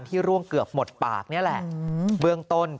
ต้องให้ลูกไปเบิกจากประกันสังคมและประกันรถมอเตอร์ไซค์ของเพื่อนลูกสาวไปพลางก่อนครับ